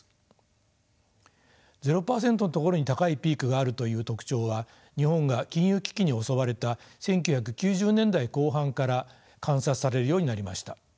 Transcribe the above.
ゼロ％のところに高いピークがあるという特徴は日本が金融危機に襲われた１９９０年代後半から観察されるようになりました。